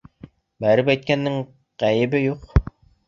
Бәреп әйткәндең ғәйебе юҡ.